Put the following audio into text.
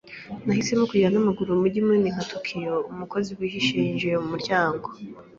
Nahisemo kugenda n'amaguru mu mujyi munini nka Tokiyo. Umukozi wihishe yinjiye mumuryango.